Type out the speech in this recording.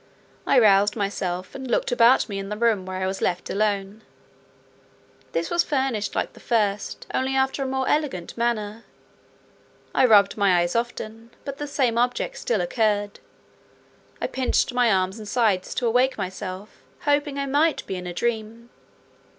I roused myself, and looked about me in the room where I was left alone: this was furnished like the first, only after a more elegant manner. I rubbed my eyes often, but the same objects still occurred. I pinched my arms and sides to awake myself, hoping I might be in a dream.